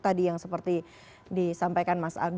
tadi yang seperti disampaikan